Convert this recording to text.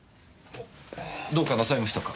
どうかなさいましたか？